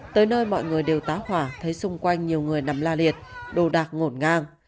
tới nơi mọi người đều tá hỏa thấy xung quanh nhiều người nằm la liệt đồ đạc ngổn ngang